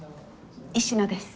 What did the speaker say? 石野です。